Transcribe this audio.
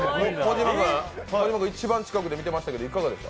一番近くで見てましたけどいかがでした？